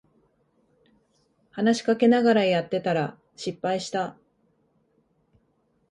話しかけられながらやってたら失敗した